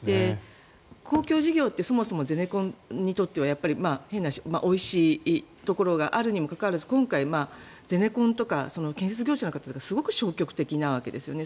公共事業ってそもそもゼネコンにとっては変な話おいしいところがあるにもかかわらず今回、ゼネコンとか建設業者の方とかすごく消極的なわけですよね。